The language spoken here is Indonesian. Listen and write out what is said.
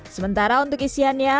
sementara untuk isiannya